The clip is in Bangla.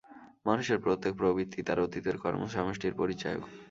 মানুষের প্রত্যেক প্রবৃত্তিই তার অতীতের কর্ম-সমষ্টির পরিচায়ক।